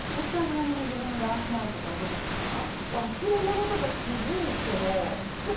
ちなみに自分のだらしないところどこですか？